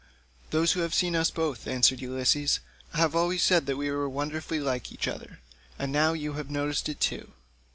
"Those who have seen us both," answered Ulysses, "have always said we were wonderfully like each other, and now you have noticed it too."